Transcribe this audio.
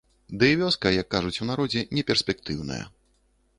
Ды і вёска, як кажуць у народзе, неперспектыўная.